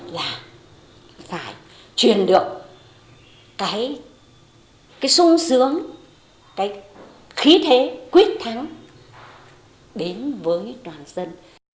là phải truyền được cái sung sướng cái khí thế quyết thắng đến với toàn dân